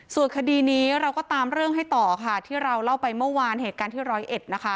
ส่วนคดีนี้เราก็ตามเรื่องให้ต่อค่ะที่เราเล่าไปเมื่อวานเหตุการณ์ที่ร้อยเอ็ดนะคะ